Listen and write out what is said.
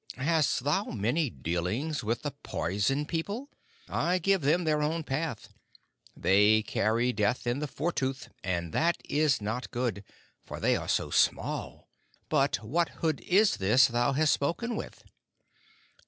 "Hast thou many dealings with the Poison People? I give them their own path. They carry death in the fore tooth, and that is not good for they are so small. But what hood is this thou hast spoken with?"